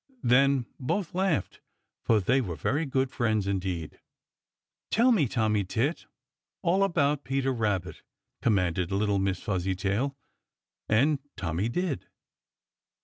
Then both laughed, for they were very good friends, indeed. "Tell me, Tommy Tit, all about Peter Rabbit," commanded little Miss Fuzzytail. And Tommy did.